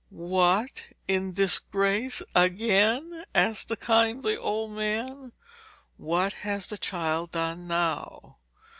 'What, in disgrace again?' asked the kindly old man. 'What has the child done now?'